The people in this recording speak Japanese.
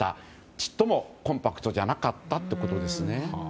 ちっともコンパクトじゃなかったということですね。